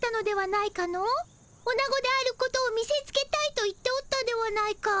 オナゴであることを見せつけたいと言っておったではないか。